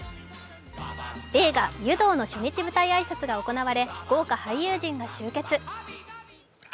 映画「湯道」の初日舞台挨拶が行われ、豪華俳優陣が集結。